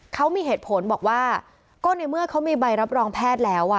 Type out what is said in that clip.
เขามีเหตุผลบอกว่าก็ในเมื่อเขามีใบรับรองแพทย์แล้ว